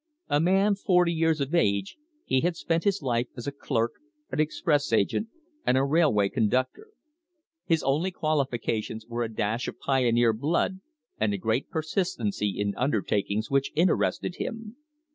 A man forty years of age, he had spent his life as a clerk, an express agent, and a railway conductor. His only qualifications were a dash of pioneer blood and a great persistency in undertakings which interested him.